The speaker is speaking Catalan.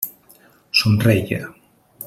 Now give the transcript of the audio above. Somreia.